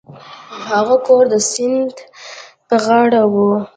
هغه کور د سیند په غاړه و.